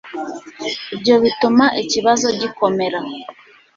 Ibyo bituma ikibazo gikomera